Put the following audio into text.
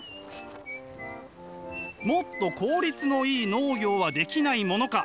もっと効率のいい農業はできないものか。